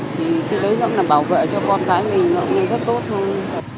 thì cái đấy cũng là bảo vệ cho con cái mình nó cũng rất tốt hơn